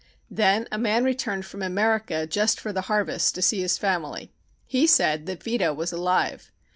Then a man returned from America just for the harvest to see his family. He said that Vito was alive.